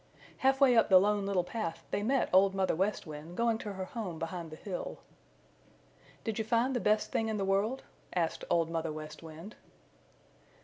Half way up the Lone Little Path they met Old Mother West Wind going to her home behind the hill. "Did you find the Best Thing in the World?" asked Old Mother West Wind.